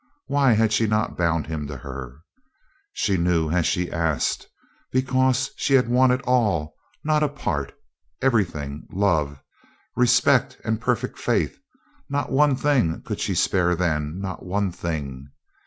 Why had she not bound him to her? She knew as she asked because she had wanted all, not a part everything, love, respect and perfect faith not one thing could she spare then not one thing.